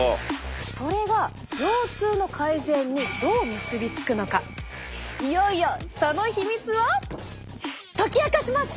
それが腰痛の改善にどう結びつくのかいよいよその秘密を解き明かします！